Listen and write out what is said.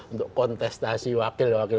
untuk kontestasi wakil wakil